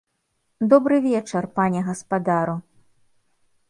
Добры вечар, пане гаспадару.